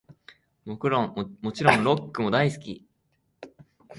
もちろんロックも大好き♡